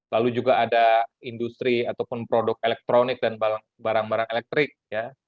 lalu juga ada industri ataupun produk elektronik dan barang barang elektrik ya